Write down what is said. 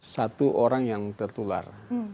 satu orang yang tertular